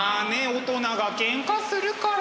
大人がけんかするから。